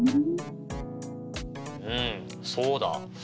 うんそうだ。